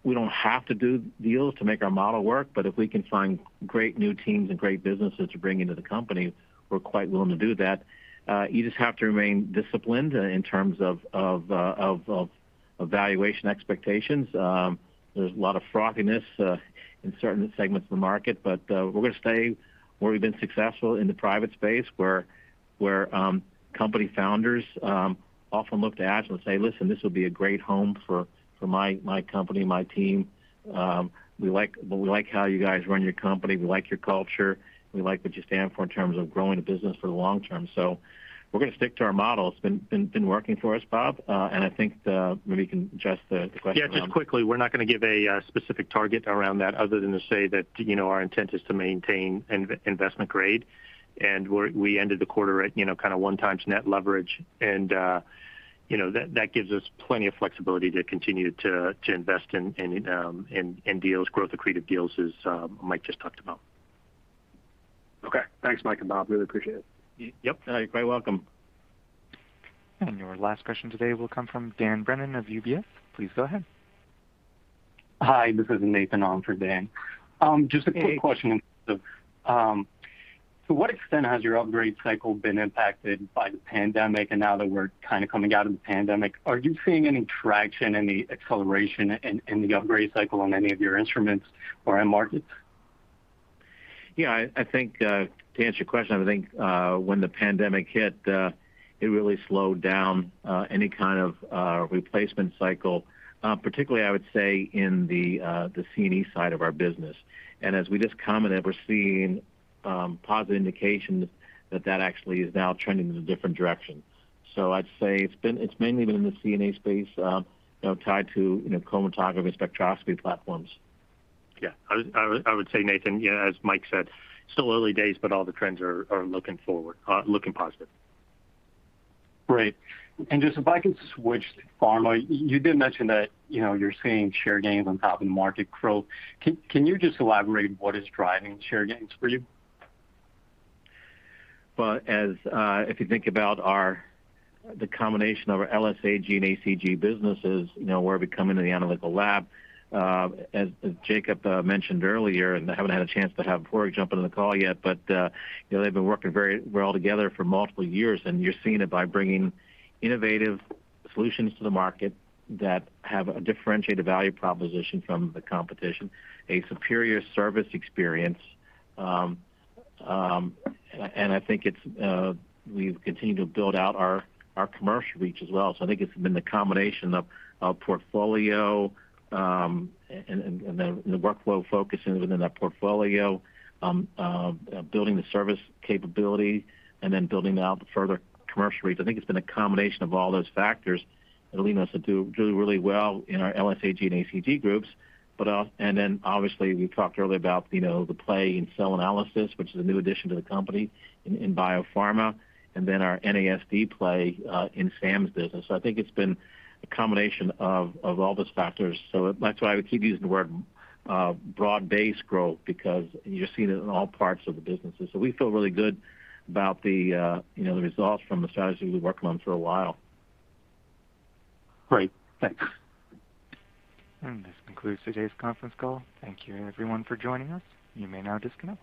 We don't have to do deals to make our model work. If we can find great new teams and great businesses to bring into the company, we're quite willing to do that. You just have to remain disciplined in terms of valuation expectations. There's a lot of frothiness in certain segments of the market. We're going to stay where we've been successful in the private space, where company founders often look to us and say, "Listen, this will be a great home for my company, my team. We like how you guys run your company. We like your culture. We like what you stand for in terms of growing the business for the long term." We're going to stick to our model. It's been working for us, Bob. I think maybe we can address the question. Yeah, just quickly, we're not going to give a specific target around that other than to say that our intent is to maintain investment grade. We ended the quarter at kind of 1x net leverage. That gives us plenty of flexibility to continue to invest in deals, growth accretive deals, as Mike just talked about. Okay. Thanks, Mike and Bob. Really appreciate it. Yep. You're quite welcome. Your last question today will come from Dan Brennan of UBS. Please go ahead. Hi, this is Nathan on for Dan. Just a quick question. To what extent has your upgrade cycle been impacted by the pandemic? Now that we're kind of coming out of the pandemic, are you seeing any traction, any acceleration in the upgrade cycle on any of your instruments or end markets? Yeah, to answer your question, I think, when the pandemic hit, it really slowed down, any kind of replacement cycle, particularly I would say in the C&E side of our business. As we just commented, we're seeing positive indications that that actually is now trending in a different direction. I'd say it's mainly been the C&E space, tied to chromatography and spectroscopy platforms. Yeah. I would say, Nathan, as Mike said, still early days, but all the trends are looking positive. Great. Just if I could switch to pharma, you did mention that you're seeing share gains on top of the market growth. Can you just elaborate what is driving share gains for you? Well, if you think about the combination of our LSAG and ACG businesses, where we come into the analytical lab, as Jacob mentioned earlier, and I haven't had a chance to have Jorge jump on the call yet, but they've been working very well together for multiple years. You're seeing it by bringing innovative solutions to the market that have a differentiated value proposition from the competition, a superior service experience. I think we've continued to build out our commercial reach as well. I think it's been the combination of portfolio, and the workflow focusing within that portfolio, building the service capability and then building out the further commercial reach. I think it's been a combination of all those factors that lead us to do really well in our LSAG and ACG groups. Obviously we talked earlier about the play in cell analysis, which is a new addition to the company in biopharma and then our NASD play in Sam's business. I think it's been a combination of all those factors. That's why we keep using the word broad-based growth, because you're seeing it in all parts of the business. We feel really good about the results from the strategy we've been working on for a while. Great. Thanks. This concludes today's conference call. Thank you everyone for joining us. You may now disconnect.